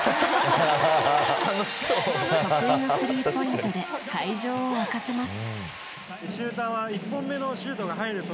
得意のスリーポイントで会場を沸かせます。